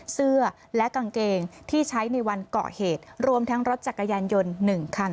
เสื้อและกางเกงที่ใช้ในวันเกาะเหตุรวมทั้งรถจักรยานยนต์๑คัน